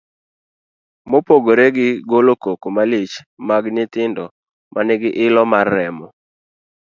Mopogore gi golo koko malich mag nyithindo ma nigi ilo mar remo